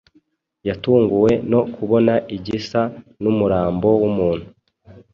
yatunguwe no kubona igisa n'umurambo w'umuntu